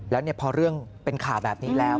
แล้วพอเรื่องเป็นข่าวแบบนี้แล้ว